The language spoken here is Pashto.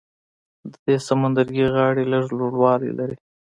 د دې سمندرګي غاړې لږ لوړوالی لري.